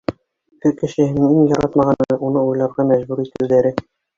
Өфө кешеһенең иң яратмағаны — уны уйларға мәжбүр итеүҙәре.